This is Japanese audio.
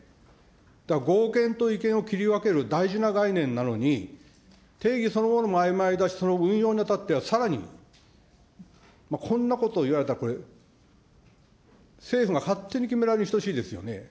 だから合憲と違憲を切り分ける大事な概念なのに、定義そのものもあいまいだし、その運用にあたっては、さらにこんなこといわれたら、これ、政府が勝手に決められるに等しいですよね。